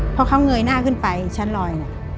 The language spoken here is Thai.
พอเขาเงยหน้าขึ้นไปชั้นลอยเนี่ย